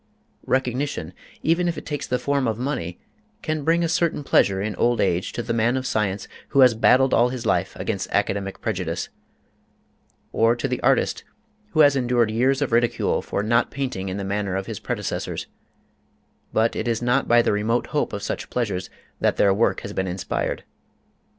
Recognition, even if it takes the form of money, can bring a certain pleasure in old age to the man of science who has battled all his life against academic prejudice, or to the artist who has endured years of ridicule for not painting in the manner of his predecessors; but it is not by the remote hope of such pleasures that their work has been inspired.